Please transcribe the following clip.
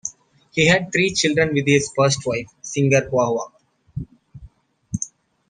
He had three children with his first wife, singer Hua Wa.